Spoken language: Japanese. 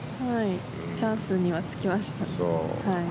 チャンスにはつきました。